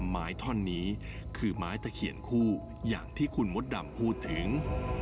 ไม้ท่อนนี้คือไม้ตะเขียนคู่อย่างที่คุณมดดำพูดถึง